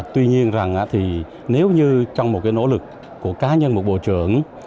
tuy nhiên rằng thì nếu như trong một cái nỗ lực của cá nhân một bộ trưởng